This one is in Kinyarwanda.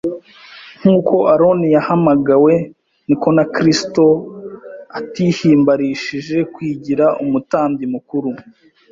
nk’uko Aroni yahamagawe. Ni ko na Kristo atihimbarishije kwigira Umutambyi mukuru,